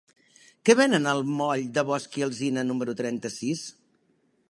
Què venen al moll de Bosch i Alsina número trenta-sis?